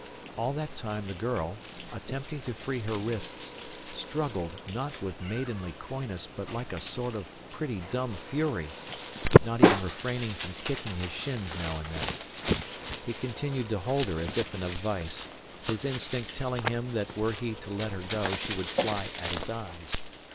All that time the girl, attempting to free her wrists, struggled, not with maidenly coyness but like a sort of pretty dumb fury, not even refraining from kicking his shins now and then. He continued to hold her as if in a vice, his instinct telling him that were he to let her go she would fly at his eyes.